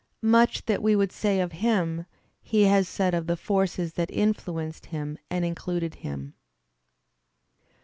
Much that we would say of him he has said of the forces that influenced him and included him.